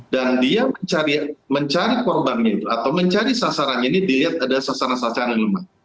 dan dia mencari korbannya itu atau mencari sasaran ini dilihat ada sasaran sasaran yang lemah